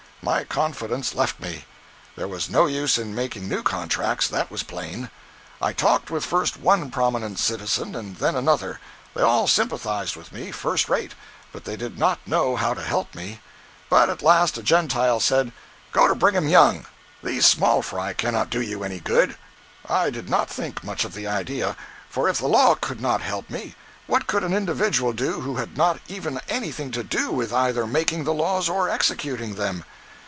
My confidence left me. There was no use in making new contracts—that was plain. I talked with first one prominent citizen and then another. They all sympathized with me, first rate, but they did not know how to help me. But at last a Gentile said, 'Go to Brigham Young!—these small fry cannot do you any good.' I did not think much of the idea, for if the law could not help me, what could an individual do who had not even anything to do with either making the laws or executing them?